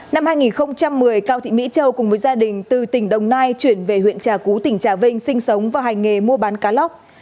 năm hai nghìn một mươi cao thị mỹ châu cùng với gia đình từ tỉnh đồng nai chuyển về huyện trà cú tỉnh trà vinh sinh sống và hành nghề mua bán cá lóc